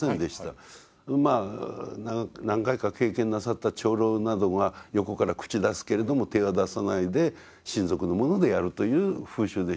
まあ何回か経験なさった長老などが横から口出すけれども手は出さないで親族の者でやるという風習でした。